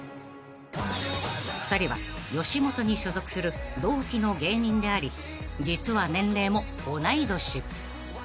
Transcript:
［２人は吉本に所属する同期の芸人であり実は年齢も同い年］